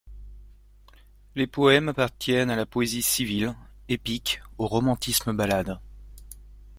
Les poèmes appartiennent à la poésie civile, épique, au romantisme ballade.